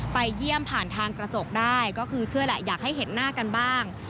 ไปเยี่ยมผ่านทางกระจกได้ก็คือเชื่อแหละอยากให้เห็นหน้ากันบ้าง